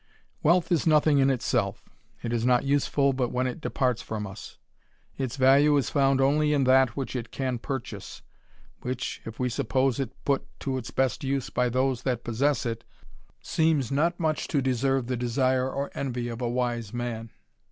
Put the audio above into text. Wealth is nothing in itself, it is not useful but when it departs from us ; its value is found only in that which it can purchase, which, if we suppose it put to its best use by those that possess it, seems not much to deserve the desire or envy of a wise man.